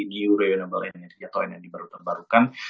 new re enable energi atau energi baru terbarukan